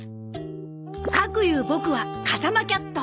かくいうボクは風間キャット。